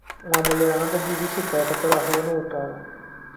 Uma mulher anda de bicicleta pela rua no outono